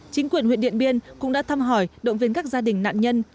chính quyền huyện điện biên cũng đã thăm hỏi động viên các gia đình nạn nhân